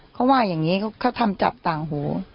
เขาว่าอย่างนี้เขาทำจับต่างหู